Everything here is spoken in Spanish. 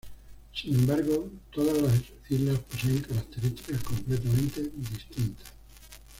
Sin embargo, todas las islas poseen características completamente distintas.